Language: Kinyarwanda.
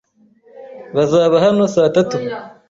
Bazaba hano saa tatu.